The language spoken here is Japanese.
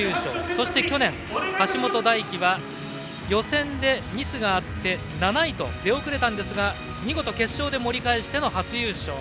そして去年、橋本大輝は予選でミスがあって７位と出遅れたんですが見事決勝で盛り返しての初優勝。